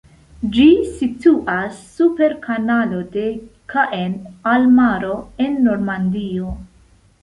Ĝi situas super Kanalo de Caen al Maro, en Normandio.